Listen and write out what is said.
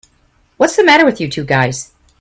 What's the matter with you two guys?